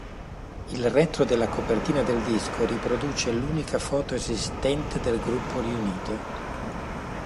Il retro della copertina del disco riproduce l'unica foto esistente del gruppo riunito.